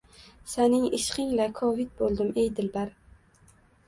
Saning ishqing-la Covid bo'ldim, ey Dilbar...